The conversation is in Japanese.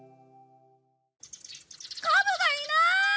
カブがいなーい！